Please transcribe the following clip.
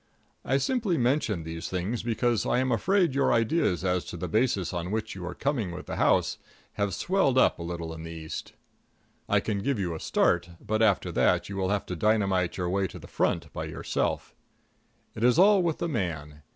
I simply mention these things because I am afraid your ideas as to the basis on which you are coming with the house have swelled up a little in the East. I can give you a start, but after that you will have to dynamite your way to the front by yourself. It is all with the man.